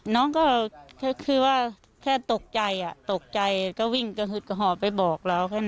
น้องก็คือว่าแค่ตกใจตกใจก็วิ่งกระหึดกระหอบไปบอกเราแค่นั้น